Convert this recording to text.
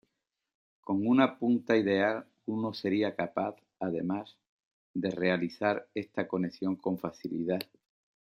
Con una punta ideal, uno sería capaz, además, de realizar esta conexión con facilidad.